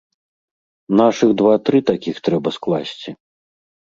Нашых два-тры такіх трэба скласці!